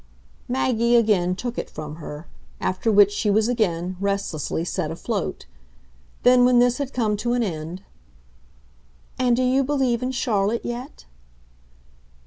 Maggie again took it from her; after which she was again, restlessly, set afloat. Then when this had come to an end: "And do you believe in Charlotte yet?"